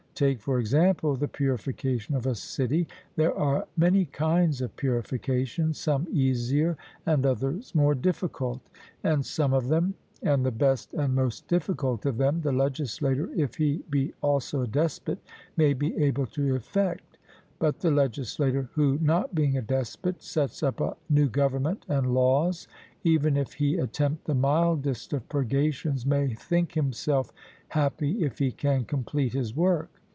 Take, for example, the purification of a city there are many kinds of purification, some easier and others more difficult; and some of them, and the best and most difficult of them, the legislator, if he be also a despot, may be able to effect; but the legislator, who, not being a despot, sets up a new government and laws, even if he attempt the mildest of purgations, may think himself happy if he can complete his work.